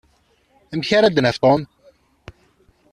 Amek ara d-naf Tom?